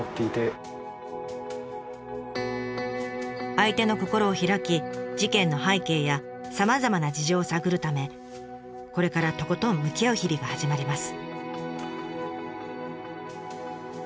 相手の心を開き事件の背景やさまざまな事情を探るためこれからとことん向き合う日々が始まります。